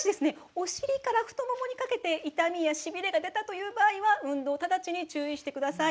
お尻から太ももにかけて痛みやしびれが出たという場合は運動を直ちに中止してください。